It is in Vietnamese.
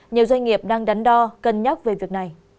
nhiều doanh nghiệp đang đắn đo cân nhắc về việc này